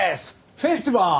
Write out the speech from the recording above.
フェスティバル！